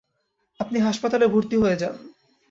আপনি হাসপাতালে ভরতি হয়ে যান।